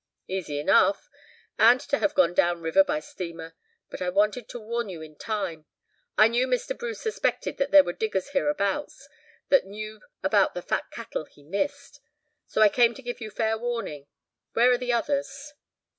"Easy enough, and to have gone down river by steamer. But I wanted to warn you in time. I knew Mr. Bruce suspected that there were diggers hereabouts that knew about the fat cattle he missed. So I came to give you fair warning. Where are the others?"